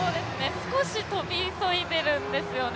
少し飛び急いでいるんですよね。